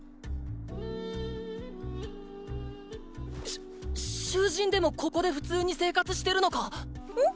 しゅ囚人でもここで普通に生活してるのか⁉ん？